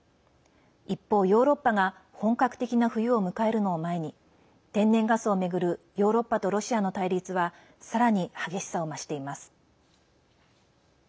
一方、ヨーロッパが本格的な冬を迎えるのを前に天然ガスを巡るヨーロッパとロシアの対立はさらに激しさを増しています。